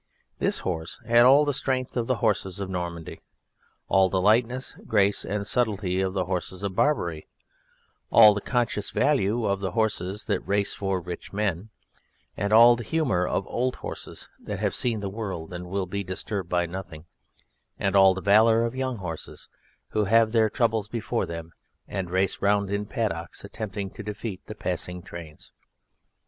This horse had all the strength of the horses of Normandy, all the lightness, grace, and subtlety of the horses of Barbary, all the conscious value of the horses that race for rich men, all the humour of old horses that have seen the world and will be disturbed by nothing, and all the valour of young horses who have their troubles before them, and race round in paddocks attempting to defeat the passing trains.